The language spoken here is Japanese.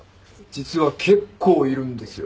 実は結構いるんですよ。